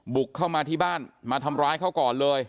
บุกเข้ามาที่บ้านมาทำร้ายเขาก่อนเลย